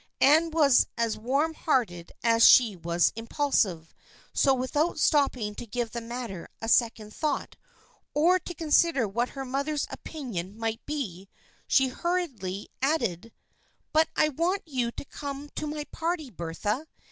Anne was as warm hearted as she was impulsive, so without stopping to give the matter a second thought or to consider what her mother's opinion might be, she hurriedly added :" But I want you to come to my party, Bertha.